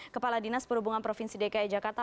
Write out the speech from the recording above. kepala dinas perhubungan provinsi dki jakarta